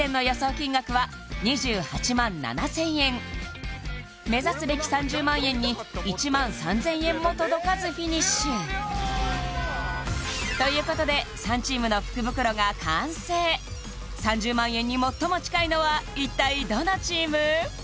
金額は２８万７０００円目指すべき３０万円に１万３０００円も届かずフィニッシュということで３チームの福袋が完成３０万円に最も近いのは一体どのチーム？